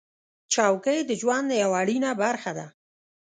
چوکۍ د ژوند یوه اړینه برخه ده.